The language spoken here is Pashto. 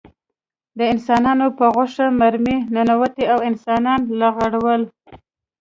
د انسانانو په غوښه مرمۍ ننوتې او انسانان یې لغړول